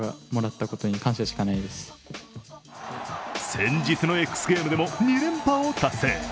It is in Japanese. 先日のＸＧａｍｅｓでも２連覇を達成。